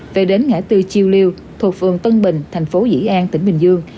về đến ngã tư chiêu liêu thuộc phường tân bình thành phố dĩ an tỉnh bình dương